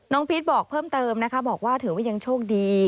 น้องพีชบอกเพิ่มเติมบอกว่าเถอะว่ายังโชคดี